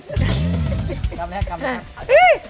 คำแรก